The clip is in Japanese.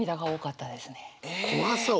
怖そう。